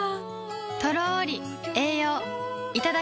とろり栄養いただきます